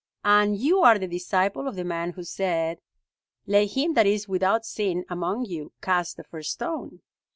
"And you are the disciple of the man who said, 'Let him that is without sin among you cast the first stone!'